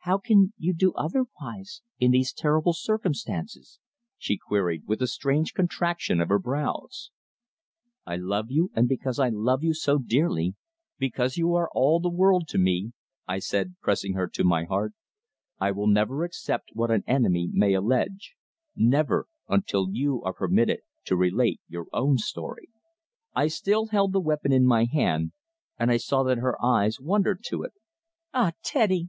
"How can you do otherwise in these terrible circumstances?" she queried, with a strange contraction of her brows. "I love you, and because I love you so dearly because you are all the world to me," I said, pressing her to my heart, "I will never accept what an enemy may allege never, until you are permitted to relate your own story." I still held the weapon in my hand, and I saw that her eyes wandered to it. "Ah! Teddy!"